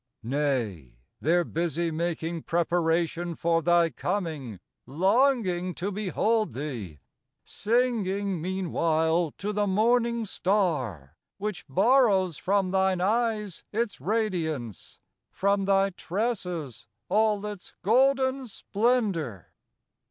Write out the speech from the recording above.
Nay, they're busy making preparation For thy coming, longing to behold thee, Singing meanwhile to the morning star, Which borrows from thine eyes its radiance. From thy tresses, all its golden splendor.